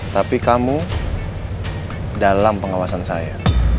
tapi kamu dalam pengawasan saya